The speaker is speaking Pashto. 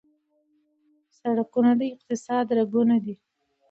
سرکونه د اقتصاد رګونه دي.